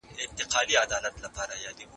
سهار به د نړۍ رنګونه بدل کړي.